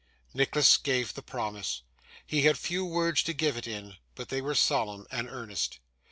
Nicholas gave the promise; he had few words to give it in, but they were solemn and earnest.